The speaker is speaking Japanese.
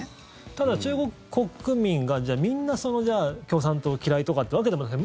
ただ、中国国民がみんな、共産党を嫌いとかってわけでもない。